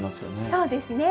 そうですね